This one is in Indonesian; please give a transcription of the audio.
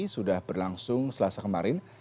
sudah berlangsung selasa kemarin